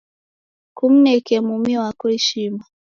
Kumneke mumi wako ishima